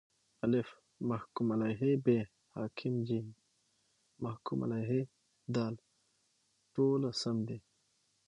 الف: محکوم علیه ب: حاکم ج: محکوم علیه د: ټوله سم دي